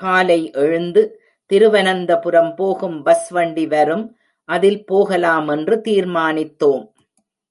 காலை எழுந்து திருவனந்தபுரம் போகும் பஸ் வண்டி வரும், அதில் போகலாமென்று தீர்மானித்தோம்.